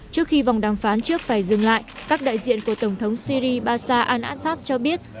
trước khi vòng đàm phán trước phải dừng lại các đại diện của tổng thống syri basar al assad cho biết